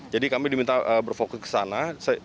jadi kami diminta berfokus ke sana